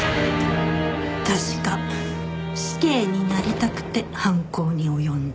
確か死刑になりたくて犯行に及んだ。